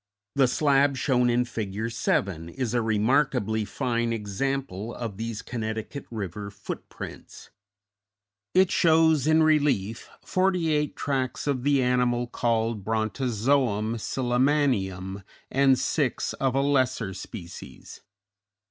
The slab shown in Fig. 7 is a remarkably fine example of these Connecticut River footprints; it shows in relief forty eight tracks of the animal called Brontozoum sillimanium and six of a lesser species.